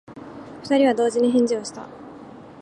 二人は同時に返事をした。